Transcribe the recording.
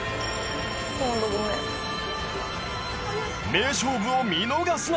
名勝負を見逃すな。